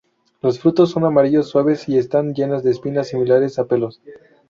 Los frutos son amarillos, suaves y están llenas de espinas similares a pelos.